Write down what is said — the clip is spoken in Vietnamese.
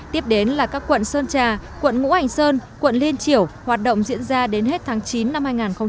tiếp đến là các quận sơn trà quận ngũ hành sơn quận liên triểu hoạt động diễn ra đến hết tháng chín năm hai nghìn hai mươi